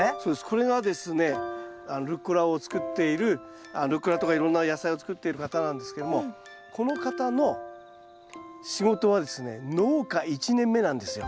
これがですねルッコラを作っているルッコラとかいろんな野菜を作っている方なんですけどもこの方の仕事はですね農家１年目なんですよ。